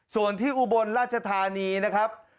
ส่วนที่อุบลราชธานีนะครับ